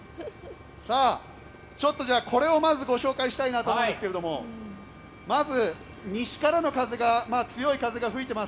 これをまずご紹介したいと思うんですがまず西からの風強い風が吹いています。